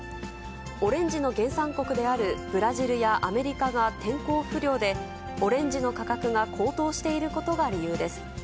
オレンジの原産国であるブラジルやアメリカが天候不良で、オレンジの価格が高騰していることが理由です。